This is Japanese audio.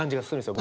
僕。